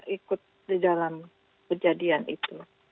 ikut di dalam kejadian itu